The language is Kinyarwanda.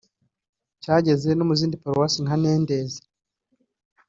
Cyageze no mu zindi paruwasi nka Ntendezi